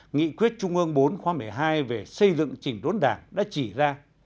nghị quyết trung ương bốn khóa một mươi hai về xây dựng chỉnh đốn đảng đã chỉ ra